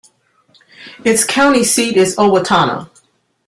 Its county seat is Owatonna.